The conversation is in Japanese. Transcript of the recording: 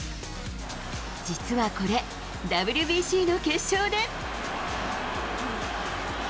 実はこれ、ＷＢＣの決勝で。